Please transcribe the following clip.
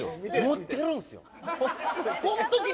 持ってるんすよ！